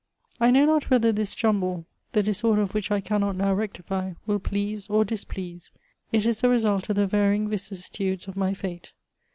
I know not whether this jumble, the disorder of which I cannot now rectify, will please or displease. It is the result of the varying vicissitudes of my fate.